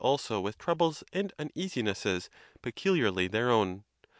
also with troubles and uneasinesses, peculiarly their own.